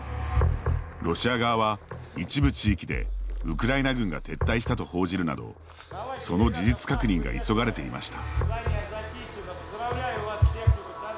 ロシア側は、一部地域でウクライナ軍が撤退したと報じるなどその事実確認が急がれていました。